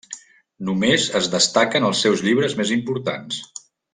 Només es destaquen els seus llibres més importants.